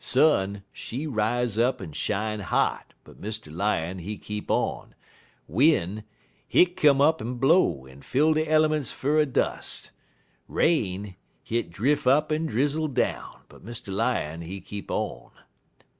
Sun, she rise up en shine hot, but Mr. Lion, he keep on; win', hit come up en blow, en fill de elements full er dust; rain, hit drif' up en drizzle down; but Mr. Lion, he keep on.